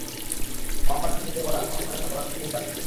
মুহাম্মাদ আর তাঁর সাথিদের উপর আক্রমণ করার জন্য পদাতিক বাহিনী পাঠাচ্ছি।